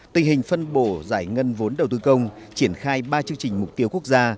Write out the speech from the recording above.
tình hình phân bổ giải ngân vốn đầu tư công triển khai ba chương trình mục tiêu quốc gia